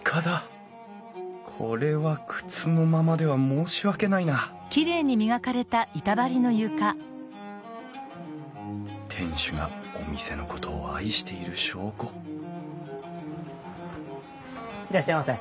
これは靴のままでは申し訳ないな店主がお店のことを愛している証拠いらっしゃいませ。